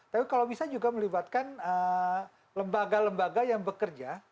tapi kalau bisa juga melibatkan lembaga lembaga yang bekerja